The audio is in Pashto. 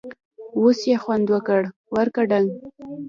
اوس یې خوند وکړ٬ ورکه ډنګ!